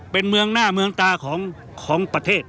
เป็นเมืองหน้าเมืองตาของประเทศ